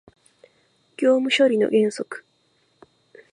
業務処理の原則